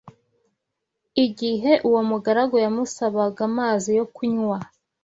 Igihe uwo mugaragu yamusabaga amazi yo kunywa